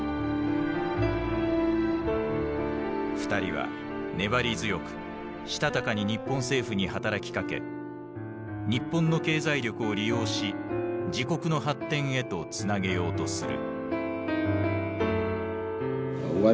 ２人は粘り強くしたたかに日本政府に働きかけ日本の経済力を利用し自国の発展へとつなげようとする。